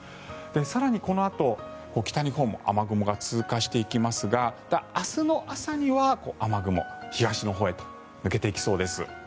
更に、このあと北日本も雨雲が通過していきますが明日の朝には雨雲東のほうへと抜けていきそうです。